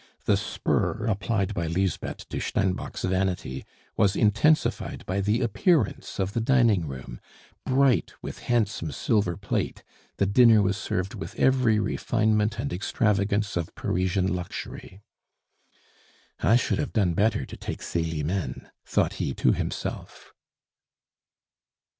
The spur applied by Lisbeth to Steinbock's vanity was intensified by the appearance of the dining room, bright with handsome silver plate; the dinner was served with every refinement and extravagance of Parisian luxury. "I should have done better to take Celimene," thought he to himself.